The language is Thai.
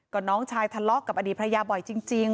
ก็น้องชายทะเลาะกับอดีตภรรยาบ่อยจริง